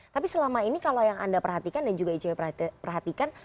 tapi selama ini kalau yang anda perhatikan dan juga icw perhatikan